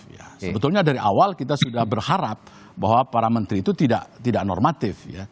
ya sebetulnya dari awal kita sudah berharap bahwa para menteri itu tidak normatif